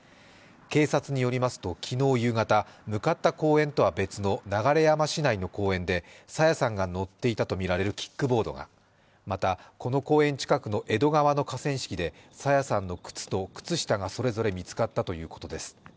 警察によりますと、昨日夕方向かった公園とは別の流山市内の公園で、朝芽さんが乗っていたとみられるキックボードが、また、この公園近くの江戸川の河川敷で朝芽さんの靴と靴下がそれぞれ見つかったということです。